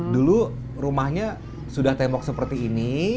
dulu rumahnya sudah tembok seperti ini